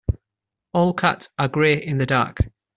All cats are grey in the dark.